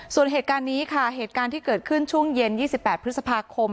ส่วนเหตุการณ์นี้ค่ะเหตุการณ์ที่เกิดขึ้นช่วงเย็น๒๘พฤษภาคม